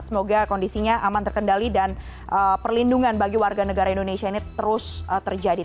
semoga kondisinya aman terkendali dan perlindungan bagi warga negara indonesia ini terus terjadi